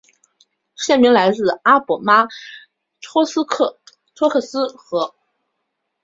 县名来自阿波马托克斯河。